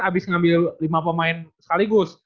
habis ngambil lima pemain sekaligus